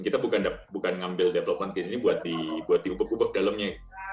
kita bukan ngambil development game ini buat diubah ubah dalamnya